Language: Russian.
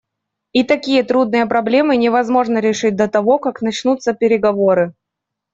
И такие трудные проблемы невозможно решить до того, как начнутся переговоры.